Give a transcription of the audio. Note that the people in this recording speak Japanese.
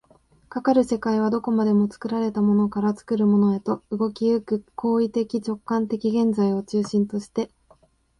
かかる世界はどこまでも作られたものから作るものへと、動き行く行為的直観的現在を中心として、